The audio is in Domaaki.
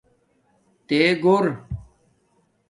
تے گھرو